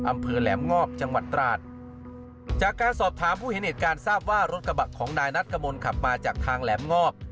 อำเภอแหลมงอบจังหวัดตราดจากการสอบถามผู้เห็นเหตุการณ์ทราบว่ารถกระบะของนายนัทกมลขับมาจากทางแหลมงอบ